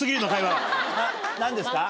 何ですか？